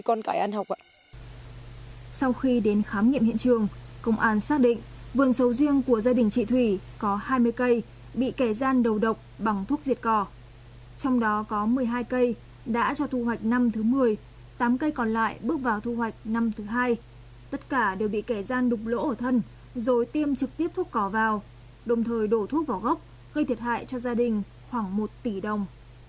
công an xác định vườn sầu riêng của gia đình chị thủy có hai mươi cây bị kẻ gian đầu độc bằng thuốc diệt cỏ trong đó có một mươi hai cây đã cho thu hoạch năm thứ một mươi tám cây còn lại bước vào thu hoạch năm thứ hai tất cả đều bị kẻ gian đục lỗ ở thân rồi tiêm trực tiếp thuốc cỏ vào đồng thời đổ thuốc vào gốc gây thiệt hại cho gia đình khoảng một tỷ đồng